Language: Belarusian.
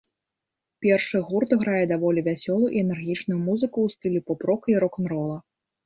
Першы гурт грае даволі вясёлую і энергічную музыку ў стылі поп-рока і рок-н-рола.